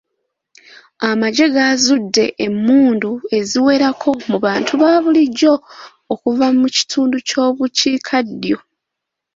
Amagye gaazudde emundu eziwerako mu bantu ba bulijja okuva mu kitundu ky'obukiikaddyo.